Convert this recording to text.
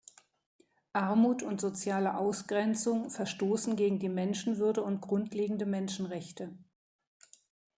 Armut und soziale Ausgrenzung verstoßen gegen die Menschenwürde und grundlegende Menschenrechte.